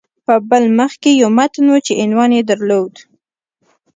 په بل مخ کې یو متن و چې عنوان یې درلود